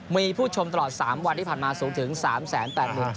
มีผู้ชมตลอด๓วันที่ผ่านมาสูงถึง๓๘๗๐